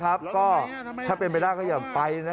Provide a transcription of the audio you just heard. ทำไมคงคืนเขาว่าทำไมคงคืนเขาว่า